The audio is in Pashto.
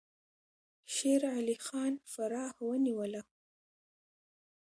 شیر علي خان فراه ونیوله.